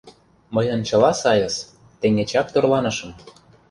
— Мыйын чыла сайыс, теҥгечак тӧрланышым...